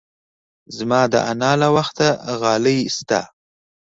زما د انا له وخته غالۍ شته.